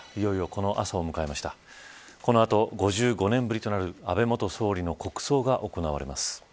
この後、５５年ぶりとなる安倍元総理の国葬が行われます。